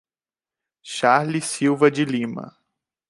Charles Silva de Lima